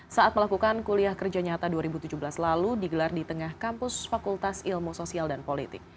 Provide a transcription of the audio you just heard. saat melakukan kuliah kerja nyata dua ribu tujuh belas lalu digelar di tengah kampus fakultas ilmu sosial dan politik